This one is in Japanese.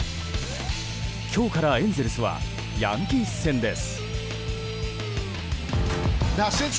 今日からエンゼルスはヤンキース戦です。